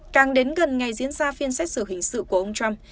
càng đến gần ngày diễn ra phiên xét xử hình sự của ông trump